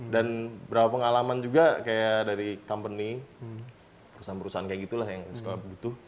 dan beberapa pengalaman juga kayak dari company perusahaan perusahaan kayak gitu lah yang suka butuh